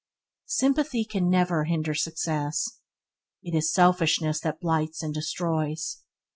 Sympathy can never hinder success. It is selfishness that blights and destroys.